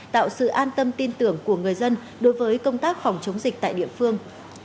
tạo sự an tâm tin tưởng của người dân đối với công tác phòng chống dịch tại địa phương